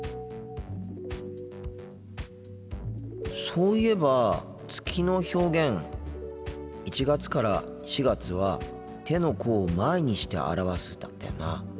そういえば月の表現１月から４月は「手の甲を前にして表す」だったよな。